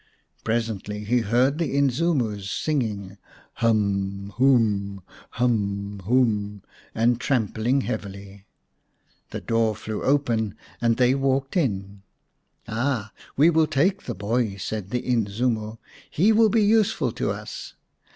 Presently he heard the Inzimus singing " Hum, hoom ! Hum, hoom !" and trampling heavily. The door flew open and they walked in. " Ah, we will take the boy," said the Inzimu, " he will be useful to us."